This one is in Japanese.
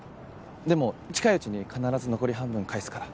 でも近いうちに必ず残り半分返すから。